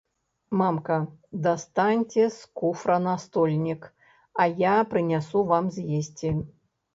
Мамка, дастаньце з куфра настольнік, а я прынясу вам з'есці.